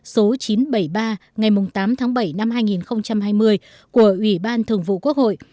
số chín trăm bảy mươi ba ngày tám tháng bảy năm hai nghìn hai mươi của ủy ban thường vụ quốc hội